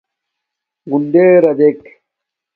غُنڈݵرݳ دݵک.